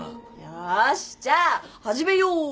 よーしじゃあ始めよう！